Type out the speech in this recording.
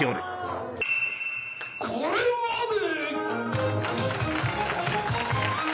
これまで。